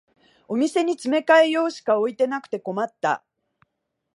お店に詰め替え用しか置いてなくて困った